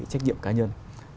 trách nhiệm cá nhân